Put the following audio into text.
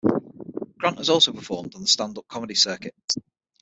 Grant has also performed on the stand-up comedy circuit.